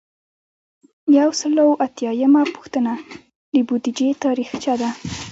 یو سل او اتیایمه پوښتنه د بودیجې تاریخچه ده.